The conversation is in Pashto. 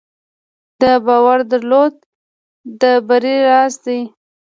د باور درلودل د بری راز دی.